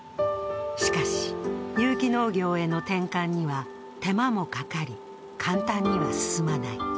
しかし、有機農業への転換には手間もかかり、簡単には進まない。